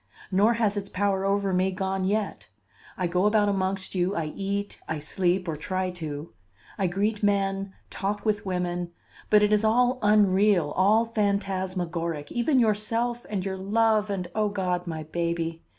Nor has its power over me gone yet. I go about amongst you, I eat, I sleep, or try to; I greet men, talk with women, but it is all unreal, all phantasmagoric, even yourself and your love and, O God, my baby!